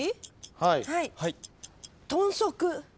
はい。